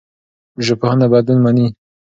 ژبپوهنه بدلون مني.